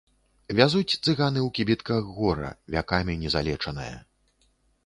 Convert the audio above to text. Вязуць цыганы ў кібітках гора, вякамі не залечанае.